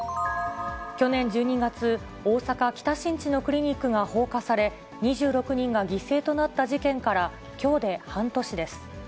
去年１２月、大阪・北新地のクリニックが放火され、２６人が犠牲となった事件から、きょうで半年です。